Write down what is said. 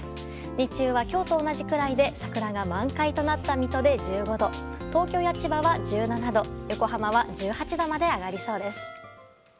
日中は今日と同じくらいで桜が満開となった水戸で１５度東京や千葉は１７度横浜は１８度まで上がりそうです。